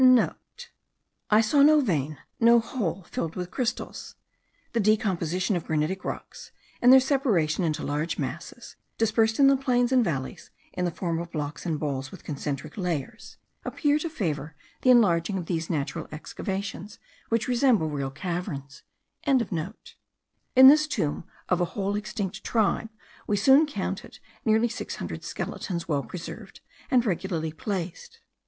*(* I saw no vein, no hole (four) filled with crystals. The decomposition of granitic rocks, and their separation into large masses, dispersed in the plains and valleys in the form of blocks and balls with concentric layers, appear to favour the enlarging of these natural excavations, which resemble real caverns.) In this tomb of a whole extinct tribe we soon counted nearly six hundred skeletons well preserved, and regularly placed.